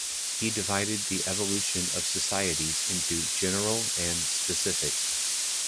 He divided the evolution of societies into "general" and "specific".